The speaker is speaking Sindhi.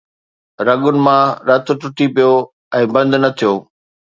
رڳن مان رت ٽٽي پيو ۽ بند نه ٿيو